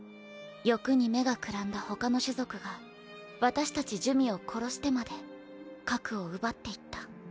欲に目がくらんだほかの種族が私たち珠魅を殺してまで核を奪っていった。